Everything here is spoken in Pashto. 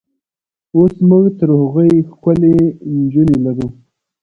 اوس موږ تر هغوی ښکلې نجونې لرو.